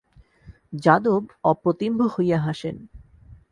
যাদব অপ্রতিম্ভ হইয়া হাসেন।